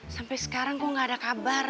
sampai sekarang gue gak ada kabar